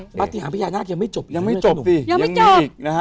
ใช่ปฏิหารพญานาคยังไม่จบยังไม่จบสิยังไม่จบยังมีอีกนะฮะ